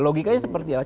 logikanya seperti apa